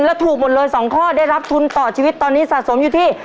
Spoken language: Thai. แล้วถูกหมดเลย๒ข้อได้รับทุนต่อชีวิตตอนนี้สะสมอยู่ที่